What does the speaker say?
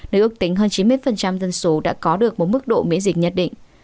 nơi ước tính hơn chín mươi dân số đã có được một mức độ miễn dịch nhất định